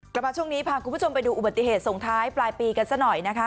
กลับมาช่วงนี้พาคุณผู้ชมไปดูอุบัติเหตุส่งท้ายปลายปีกันซะหน่อยนะคะ